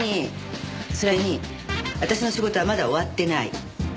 それに私の仕事はまだ終わってない。